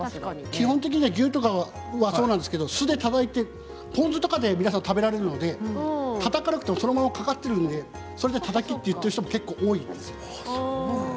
基本的に牛肉もそうなんですけれども酢でたたいて皆さん本当ポン酢とかで食べられるのでたたかなくてもかかっているのでそれでたたきと言っている人も結構います。